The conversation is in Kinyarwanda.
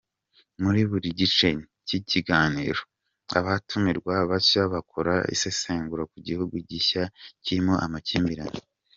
Muri buri gice cy’ikiganiro, abatumirwa bashya bakora isesengura ku gihugu gishya kirimo amakimbirane.